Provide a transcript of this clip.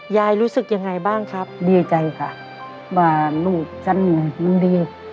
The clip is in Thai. ยายรู้สึกยังไงบ้างครับดีใจค่ะว่าลูกฉันมันดี